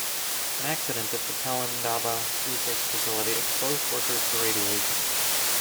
An accident at the Pelindaba research facility exposed workers to radiation.